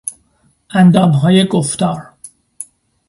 اندامهای گفتار